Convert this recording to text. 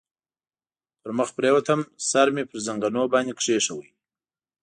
پر مخ پرېوتم، سر مې پر زنګنو باندې کېښود.